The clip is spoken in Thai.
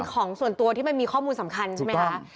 ของส่วนตัวที่มันมีข้อมูลสำคัญใช่ไหมคะ